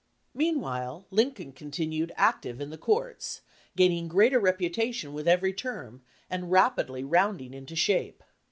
Meanwhile Lincoln continued active in the courts, gaining greater reputation with every term, and rapidly rounding into shape.